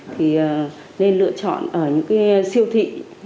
thì nên lựa chọn ở những cái siêu thị